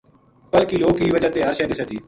پل کی لو کی وجہ تے ہر شے دسے تھی۔